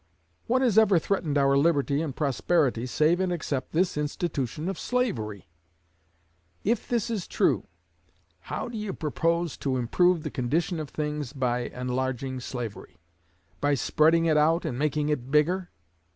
What has ever threatened our liberty and prosperity, save and except this institution of slavery? If this is true, how do you propose to improve the condition of things by enlarging slavery? by spreading it out and making it bigger?